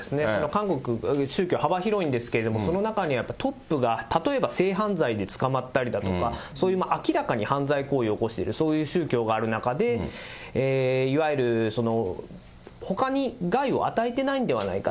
韓国、宗教幅広いんですけれども、その中にやっぱトップが例えば性犯罪で捕まったりだとか、明らかに犯罪行為を起こしているそういう宗教がある中で、いわゆる、ほかに害を与えてないのではないか、